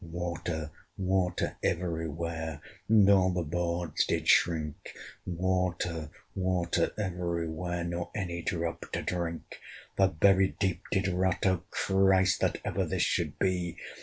Water, water, every where, And all the boards did shrink; Water, water, every where, Nor any drop to drink. The very deep did rot: O Christ! That ever this should be!